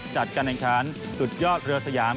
จัดการแขนชาญสุดยอดเรือสยาม